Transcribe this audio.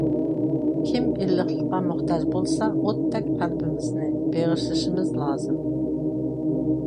كىم ئىللىقلىققا موھتاج بولسا، ئوتتەك قەلبىمىزنى بېغىشلىشىمىز لازىم.